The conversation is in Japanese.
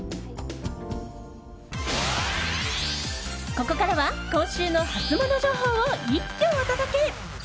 ここからは、今週のハツモノ情報を一挙お届け！